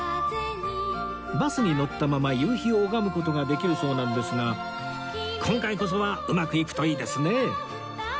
バスに乗ったまま夕日を拝む事ができるそうなんですが今回こそはうまくいくといいですね